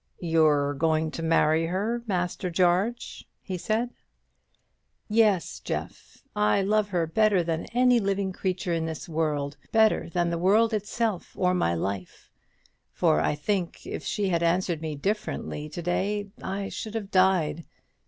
"You're going to marry her, Master Jarge?" he said. "Yes, Jeff. I love her better than any living creature in this world better than the world itself, or my own life; for I think, if she had answered me differently to day, I should have died.